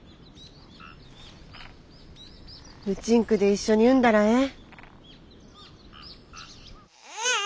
うちんくで一緒に産んだらええ。